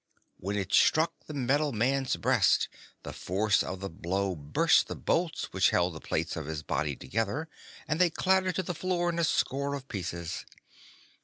When it struck the metal man's breast, the force of the blow burst the bolts which held the plates of his body together and they clattered to the floor in a score of pieces.